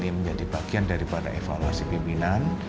dan ini menjadi bagian daripada untuk pepulih untuk pemimpin